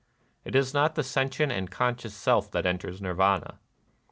It is not the sentient and conscious Self that enters Nirvana.